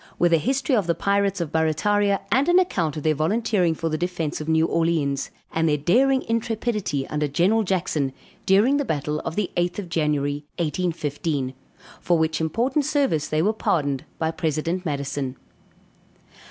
_With a History of the Pirates of Barrataria and an account of their volunteering for the defence of New Orleans; and their daring intrepidity under General Jackson, during the battle of the 8th of January, 1815. For which important service they were pardoned by President Madison.